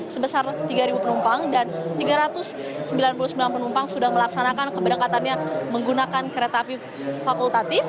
sebesar tiga penumpang dan tiga ratus sembilan puluh sembilan penumpang sudah melaksanakan keberangkatannya menggunakan kereta api fakultatif